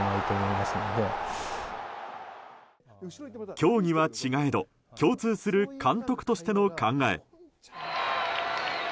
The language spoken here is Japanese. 競技は違えど共通する監督としての考え。